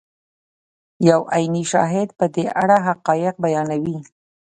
یو عیني شاهد په دې اړه حقایق بیانوي.